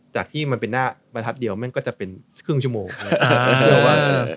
จากที่มันเป็นหน้าประทับเดียวแม่งก็จะเป็นครึ่งชั่วโมง